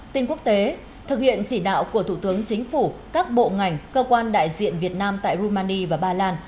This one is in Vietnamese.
tin quốc tế thực hiện chỉ đạo của thủ tướng chính phủ các bộ ngành cơ quan đại diện việt nam tại rumania và ba lan